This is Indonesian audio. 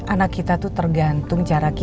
anak kita tuh tergantung cara kita